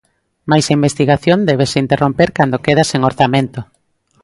Mais a investigación débese interromper cando queda sen orzamento.